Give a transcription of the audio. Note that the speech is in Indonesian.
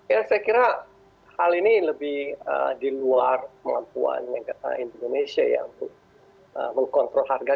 ya saya kira hal ini lebih di luar pengampuan indonesia yang mengkontrol harga